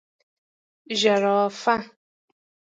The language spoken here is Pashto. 🦒 زرافه